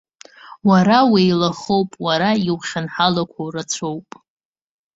Уара уеилахоуп, уара иухьынҳалақәоу рацәоуп.